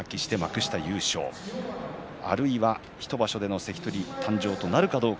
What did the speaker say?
あるいは１場所の関取誕生なるかどうか。